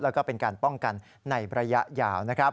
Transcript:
แล้วก็เป็นการป้องกันในระยะยาวนะครับ